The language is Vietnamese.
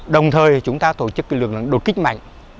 đồng thời chúng ta tổ chức lực lượng đột kích mạnh